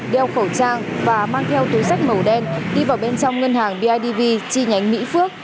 đeo khẩu trang và mang theo túi sách màu đen đi vào bên trong ngân hàng bidv chi nhánh mỹ phước